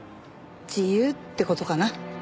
自由って事かな。